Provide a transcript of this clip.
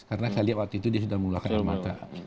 karena saya lihat waktu itu dia sudah mengeluarkan air mata